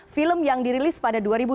film yang dirilis pada dua ribu dua belas